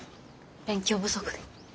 勉強不足で。